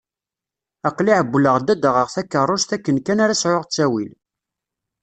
Aql-i εewwleɣ ad d-aɣeɣ takeṛṛust akken kan ara sεuɣ ttawil.